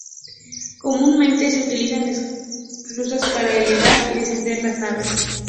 Comúnmente se utilizan esclusas para elevar y descender las naves.